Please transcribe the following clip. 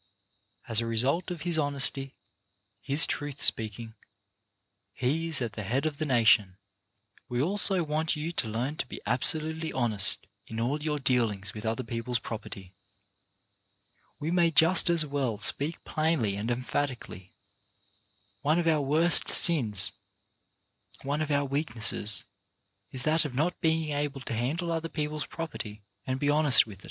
As a result of his honesty, his truth speaking, he is at the head of the nation. We also want you to learn to be absolutely honest in all your dealings with other people's property. We may just as well speak plainly and emphatically. One of our worst sins, one of our weaknesses, is that of not being able to handle other people's property and be honest with it.